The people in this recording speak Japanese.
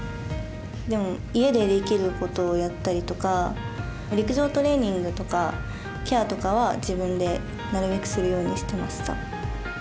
でも、家でできることをやったりとか陸上トレーニングとかケアとかは自分でなるべくするようにしていました。